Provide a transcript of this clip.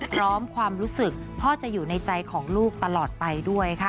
ความรู้สึกพ่อจะอยู่ในใจของลูกตลอดไปด้วยค่ะ